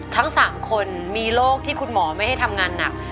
ทั้ง๓คนมีโรคที่คุณหมอไม่ให้ทำงานหนัก